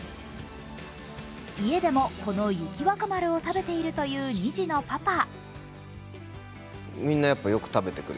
家でも、この雪若丸を食べているという２児のパパ。